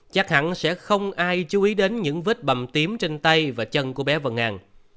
chắc hẳn sẽ không ai chú ý đến những vết bầm tím trên tay và chân của bé và ngàn